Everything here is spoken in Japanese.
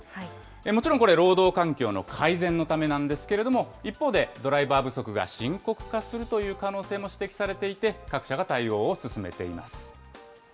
もちろんこれ、労働環境の改善のためなんですけれども、一方で、ドライバー不足が深刻化するという可能性も指摘されていて、各社が対応を進めています。